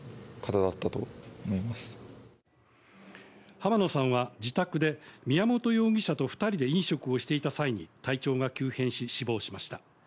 浜野さんは自宅で宮本容疑者と２人で飲食をしていた際に体調が急変し、死亡しました。